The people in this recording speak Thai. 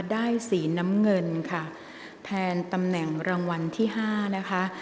สีน้ำเงินค่ะแทนตำแหน่งรางวัลที่๕นะคะ